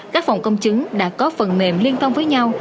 các phòng công chứng đã có phần mềm liên thông với nhau